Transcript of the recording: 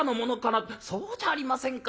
そうじゃありませんか。